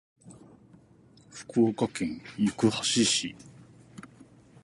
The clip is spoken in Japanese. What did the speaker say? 福岡県行橋市